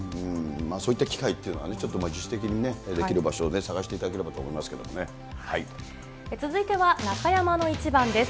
そういった機会っていうのは、ちょっと自主的にできる場所をね、探していただければと思続いては中山のイチバンです。